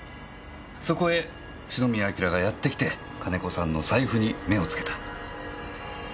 そこへ篠宮彬がやって来て金子さんの財布に目をつけた。